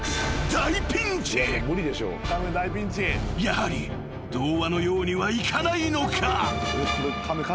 ［やはり童話のようにはいかないのか？］